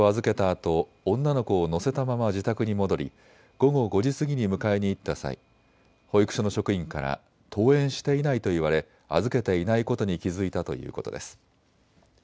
あと女の子を乗せたまま自宅に戻り午後５時過ぎに迎えに行った際、保育所の職員から登園していないと言われ預けていないことに気付いたということです。